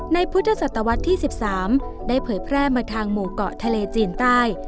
ในพุทธศตวรรษที่๑๓ได้เผยแพร่มาทางหมู่เกาะทะเลจีนใต้